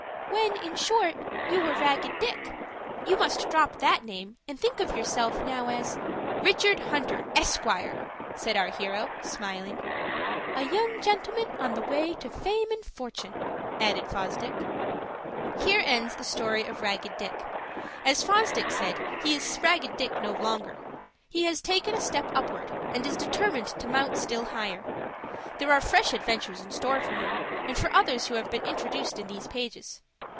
"When, in short, you were 'Ragged Dick.' You must drop that name, and think of yourself now as"— "Richard Hunter, Esq.," said our hero, smiling. "A young gentleman on the way to fame and fortune," added Fosdick. Here ends the story of Ragged Dick. As Fosdick said, he is Ragged Dick no longer. He has taken a step upward, and is determined to mount still higher. There are fresh adventures in store for him, and for others who have been introduced in these pages.